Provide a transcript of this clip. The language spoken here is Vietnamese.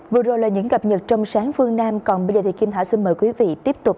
vừa rồi là những cập nhật trong sáng phương nam còn bây giờ thì kim thảo xin mời quý vị tiếp tục